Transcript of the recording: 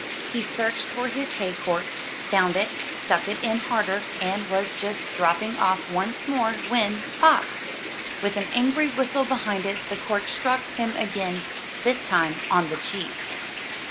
He searched for his hay cork, found it, stuck it in harder, and was just dropping off once more, when, pop! with an angry whistle behind it, the cork struck him again, this time on the cheek.